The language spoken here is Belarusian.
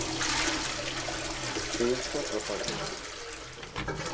І яшчэ пра пазыкі.